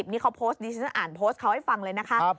นี่เขาอ่านโพสต์เขาให้ฟังเลยนะคะ